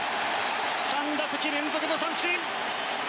３打席連続の三振。